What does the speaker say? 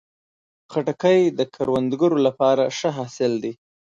خټکی د کروندګرو لپاره ښه حاصل دی.